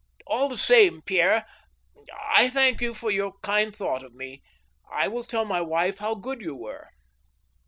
All the same. Pierre, I thank you for your kind thought of me. I will tell my wife how good you were."